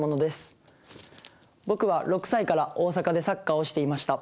僕は６歳から大阪でサッカーをしていました。